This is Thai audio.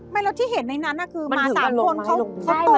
ไม่แล้วที่เห็นในนั้นคือมา๓คนเขาตกมันถึงกับหลงไหม